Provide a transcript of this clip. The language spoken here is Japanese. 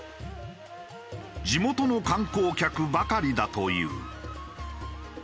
地元の観光客ばかりだという。